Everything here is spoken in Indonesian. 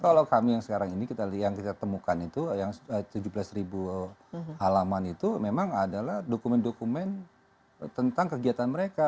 kalau kami yang sekarang ini yang kita temukan itu yang tujuh belas ribu halaman itu memang adalah dokumen dokumen tentang kegiatan mereka